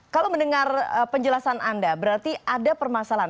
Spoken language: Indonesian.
kalau mendengar penjelasan anda berarti ada permasalahan